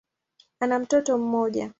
Ana mtoto mmoja.